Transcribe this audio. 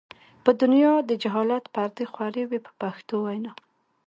په دنیا د جهالت پردې خورې وې په پښتو وینا.